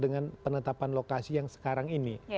dengan penetapan lokasi yang sekarang ini